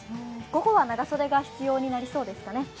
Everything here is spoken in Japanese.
午後は長袖が必要になりそうですかね。